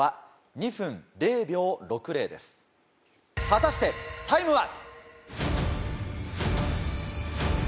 果たしてタイムは？